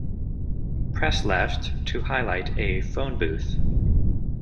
Press left to highlight a 'phone booth'.